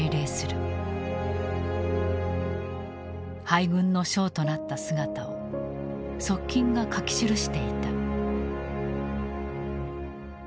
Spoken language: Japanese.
敗軍の将となった姿を側近が書き記していた。